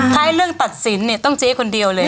ให้เรื่องตัดสินเนี่ยต้องเจ๊คนเดียวเลย